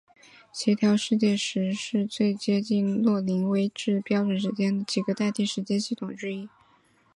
协调世界时是最接近格林威治标准时间的几个替代时间系统之一。